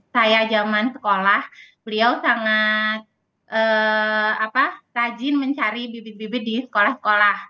saya zaman sekolah beliau sangat rajin mencari bibit bibit di sekolah sekolah